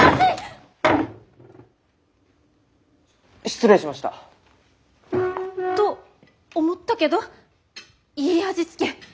失礼しました。と思ったけどいい味付け。